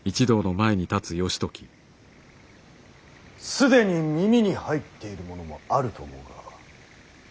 既に耳に入っている者もあると思うがこの度。